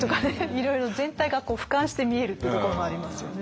いろいろ全体がふかんして見えるってところもありますよね。